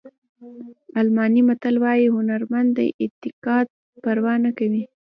الماني متل وایي هنرمند د انتقاد پروا نه کوي.